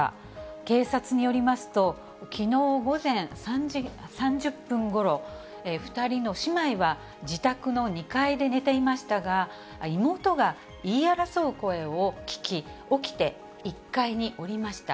警察によりますと、きのう午前３時３０分ごろ、２人の姉妹は自宅の２階で寝ていましたが、妹が言い争う声を聞き、起きて、１階に降りました。